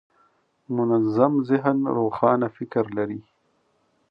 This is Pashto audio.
منظم ذهن روښانه فکر لري.